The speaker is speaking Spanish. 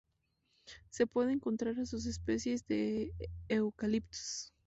Se puede encontrar en especies de "Eucalyptus"